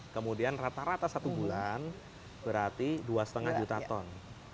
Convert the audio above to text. kemudian rata rata satu bulan berarti dua lima juta ton